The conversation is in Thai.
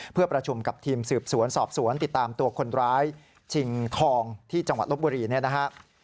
เพื่อประชุมกับทีมสืบสวนสอบสวนติดตามตัวคนร้ายชิงทองที่จังหวัดลบบุรีเนี่ยนะฮะ